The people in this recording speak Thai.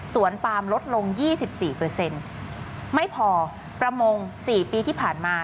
สวนปามลดลงยี่สิบสี่เปอร์เซ็นต์ไม่พอประมงสี่ปีที่ผ่านมา